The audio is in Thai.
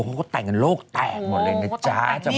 เขาก็แต่งกันโลกแตกหมดเลยนะจ๊ะจะบอกค่ะ